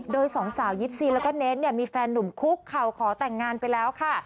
โดย๒สาว๒๔แล้วก็เนทเนี่ยมีแฟนนุ่มคุกเขาขอแต่งงานไปแล้วค่ะ